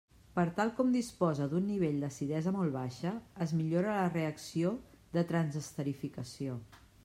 Per tal com disposa d'un nivell d'acidesa molt baixa, es millora la reacció de transesterificació.